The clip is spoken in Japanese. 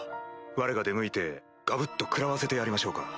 われが出向いてガブっと食らわせてやりましょうか？